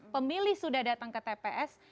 pemilih sudah datang ke tps